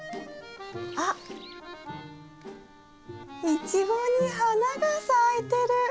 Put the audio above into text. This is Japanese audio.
あっイチゴに花が咲いてる！